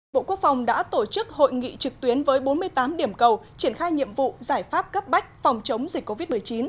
bộ quốc phòng đã tổ chức hội nghị trực tuyến với bốn mươi tám điểm cầu triển khai nhiệm vụ giải pháp cấp bách phòng chống dịch covid một mươi chín